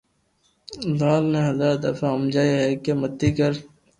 لال ني ھزار دفہ ھمجاويو ھي ڪي متي ڪر